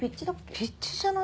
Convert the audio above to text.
ピッチじゃない？